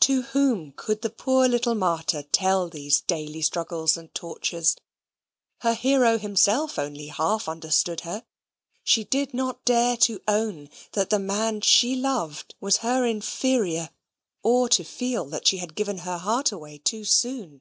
To whom could the poor little martyr tell these daily struggles and tortures? Her hero himself only half understood her. She did not dare to own that the man she loved was her inferior; or to feel that she had given her heart away too soon.